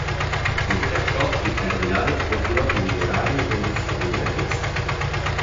Oltre a ciò, il cardinale ordinò di migliorare le condizioni della chiesa.